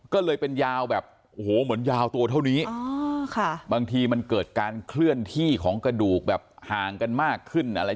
ก็เลยเป็นยาวแบบโอ้โหเหมือนยาวตัวเท่านี้บางทีมันเกิดการเคลื่อนที่ของกระดูกแบบห่างกันมากขึ้นอะไร